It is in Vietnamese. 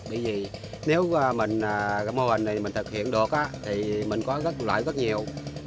bởi vì nếu mô hình này mình thực hiện được thì mình có lợi rất nhiều